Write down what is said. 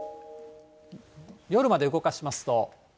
夜まで動かしますと。